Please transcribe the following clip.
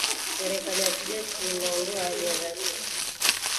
Serikali ya kijeshi imeondoa hali ya dharura